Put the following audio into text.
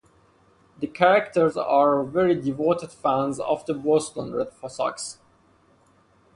The characters are very devoted fans of the Boston Red Sox.